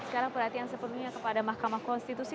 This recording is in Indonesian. sekarang perhatian sepenuhnya kepada mahkamah konstitusi